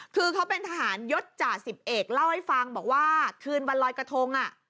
คือเขาเป็นทหารยศจ่าสิบเอกเล่าให้ฟังบอกว่าคืนวันลอยกระทง